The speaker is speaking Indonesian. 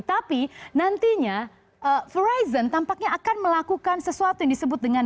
tapi nantinya verizon tampaknya akan melakukan sesuatu yang disebut dengan